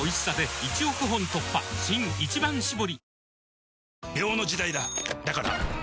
新「一番搾り」